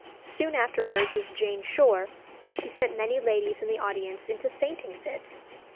Soon afterwards, as Jane Shore, she sent many ladies in the audience into fainting fits.